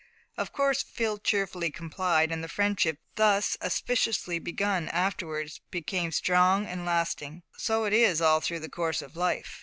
Of course Phil cheerfully complied, and the friendship thus auspiciously begun afterwards became strong and lasting. So it is all through the course of life.